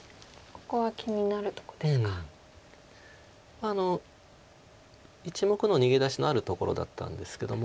まあ１目の逃げ出しのあるところだったんですけども。